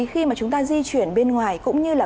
khi mà chúng ta di chuyển bên ngoài cũng như là